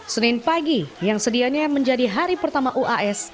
senin pagi yang sedianya menjadi hari pertama uas